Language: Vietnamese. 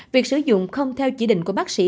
việc sử dụng không theo chỉ định của bác sĩ